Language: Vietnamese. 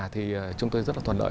thì chúng tôi rất là toàn lợi